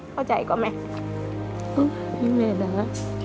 เข้าใจก่อนไหมอีแม่ดา